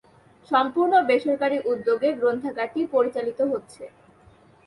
সম্পূর্ণ বেসরকারি উদ্যোগে গ্রন্থাগারটি পরিচালিত হচ্ছে।